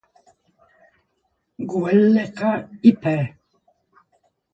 Guelleca i p